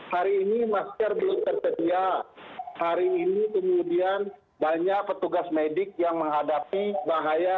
hari ini masker belum tersedia hari ini kemudian banyak petugas medik yang menghadapi bahaya